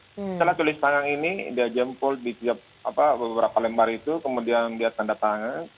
setelah tulis tangan ini dia jempol di beberapa lembar itu kemudian dia tanda tangan